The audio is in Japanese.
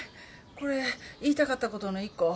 これ言いたかったことの１個。